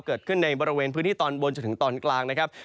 เกิดขึ้นในบริเวณพื้นที่ตอนบนจนถึงตอนกลางนะครับ